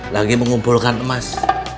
lagi mengumpulkan emas